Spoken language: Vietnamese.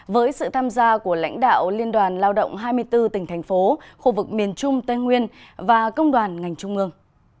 với sự tham gia của lãnh đạo liên đoàn lao động hai mươi bốn tỉnh thành phố khu vực miền trung tây nguyên và công đoàn ngành trung ương